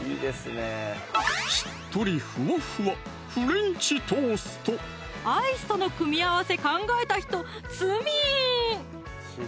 しっとりふわっふわアイスとの組み合わせ考えた人罪！